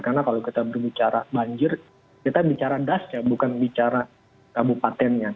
karena kalau kita berbicara banjir kita bicara dasnya bukan bicara kabupatennya